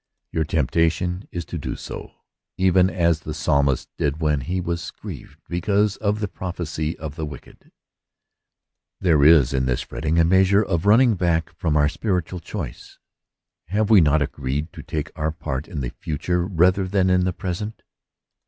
Your temptation is to do so ; even as the Psalmist did when he was grieved because of the prosperity of the wicked. There is in this fretting a measure of running back from our spiritual choice : have we not agreed to take our part in the future rather than in the pres ent?